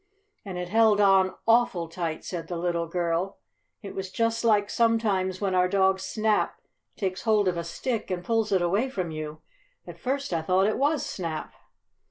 "And it held on awful tight," said the little girl. "It was just like, sometimes, when our dog Snap takes hold of a stick and pulls it away from you. At first I thought it was Snap."